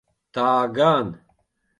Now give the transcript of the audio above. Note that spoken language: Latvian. Tā gan.